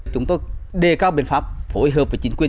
chúng tôi đề cao biện pháp phối hợp với chính quyền